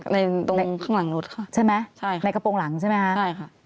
ตรงข้างหลังรถค่ะใช่ไหมใช่ในกระโปรงหลังใช่ไหมคะใช่ค่ะ